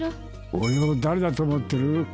俺を誰だと思ってる？